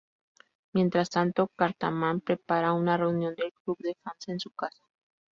Mientras tanto, Cartman prepara una reunión del club de fans en su casa.